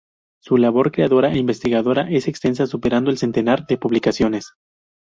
Su labor creadora e investigadora es extensa, superando el centenar de publicaciones.